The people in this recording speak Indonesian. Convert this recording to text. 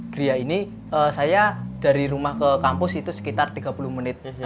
gria ini saya dari rumah ke kampus itu sekitar tiga puluh menit